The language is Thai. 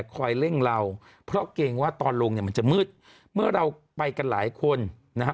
เร่งเราเพราะเกรงว่าตอนลงเนี่ยมันจะมืดเมื่อเราไปกันหลายคนนะฮะ